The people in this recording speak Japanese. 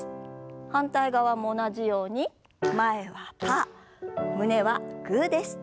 反対側も同じように前はパー胸はグーです。